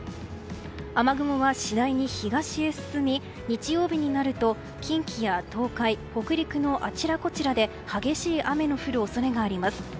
雨雲は次第に東へ進み日曜日になると近畿や東海、北陸のあちらこちらで激しい雨の降る恐れがあります。